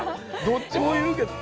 どっちもいるけど。